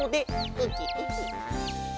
ウキウキ。